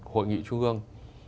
hội nghị trung ương bốn